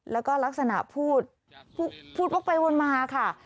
แล้วก็ลักษณะพูดพูดวกไปวนมาค่ะ